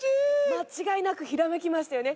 間違いなくひらめきましたよね。